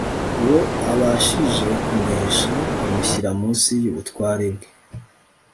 uwo abashije kunesha, amushyira munsi y'ubutware bwe